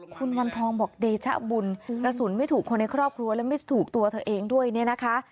คุณวันทองบอกเดชะบุญกระสุนไม่ถูกคนในครอบครัวและไม่ถูกตัวเธอเองด้วยเนี่ยนะคะ